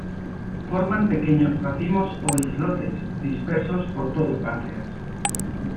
Forman pequeños racimos o islotes, dispersos por todo el páncreas.